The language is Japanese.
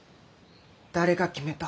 誰が決めた？